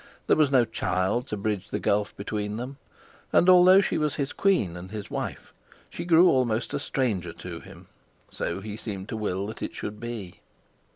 There was no child to bridge the gulf between them, and although she was his queen and his wife, she grew almost a stranger to him. So he seemed to will that it should be.